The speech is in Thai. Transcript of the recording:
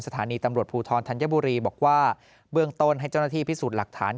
สถานีตำรวจภูทรธัญบุรีบอกว่าเบื้องต้นให้เจ้าหน้าที่พิสูจน์หลักฐาน